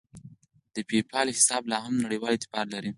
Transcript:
د پیپال حساب لاهم نړیوال اعتبار لري.